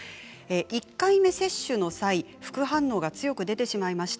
１回目の接種の際副反応が強く出てしまいました。